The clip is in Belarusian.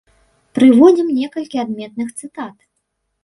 Прыводзім некалькі адметных цытат.